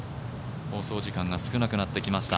放送時間が少なくなってきました。